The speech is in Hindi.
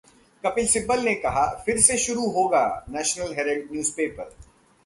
कपिल सिब्बल ने कहा- फिर से शुरू होगा नेशनल हेराल्ड न्यूजपेपर